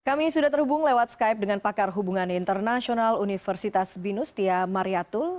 kami sudah terhubung lewat skype dengan pakar hubungan internasional universitas binustia mariatul